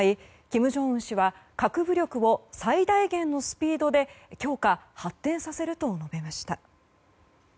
金正恩氏は核武力を最大限のスピードで強化・発展させると述べました。